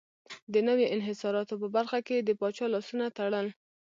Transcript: د نویو انحصاراتو په برخه کې یې د پاچا لاسونه تړل.